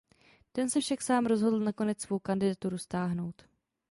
Ten se však sám rozhodl nakonec svou kandidaturu stáhnout.